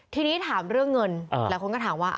ทีนี้ถามเรื่องเงินหลายคนก็ถามว่า